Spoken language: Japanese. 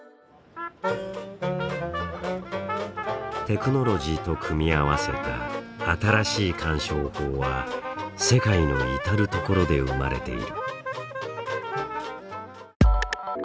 テクノロジーと組み合わせた新しい鑑賞法は世界の至る所で生まれている。